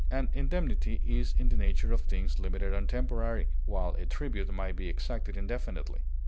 An indemnity is in the nature of things limited and temporary, while a tribute might be exacted indefinitely.